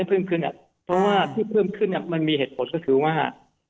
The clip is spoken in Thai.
เพราะว่าที่เพิ่มขึ้นมันมีเหตุผลก็ถือว่า